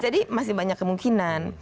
jadi masih banyak kemungkinan